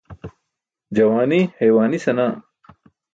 Juwaani haywaani senaa.